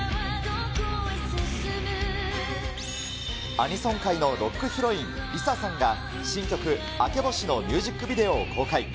アニソン界のロックヒロイン、ＬｉＳＡさんが、新曲、あけぼしのミュージックビデオを公開。